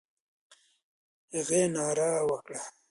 هغې ناره وکړه.